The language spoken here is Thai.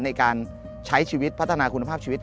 ในการใช้ชีวิตพัฒนาคุณภาพชีวิต